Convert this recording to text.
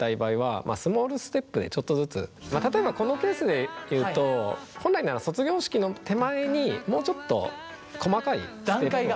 例えばこのケースで言うと本来なら卒業式の手前にもうちょっと細かいステップを。